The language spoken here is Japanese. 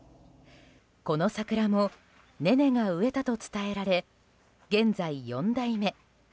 この桜もねねが植えたと伝えられ現在、４代目。